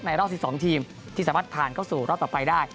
รอบ๑๒ทีมที่สามารถผ่านเข้าสู่รอบต่อไปได้